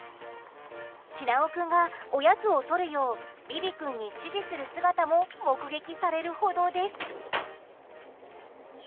きなお君が、おやつを取るようビビ君に指示する姿も目撃されるほどです。